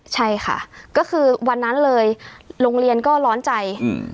ใช่ค่ะก็คือวันนั้นเลยโรงเรียนก็ร้อนใจอืม